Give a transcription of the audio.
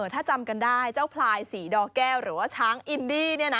ถ้าจำกันได้เจ้าพลายศรีดอแก้วหรือว่าช้างอินดี้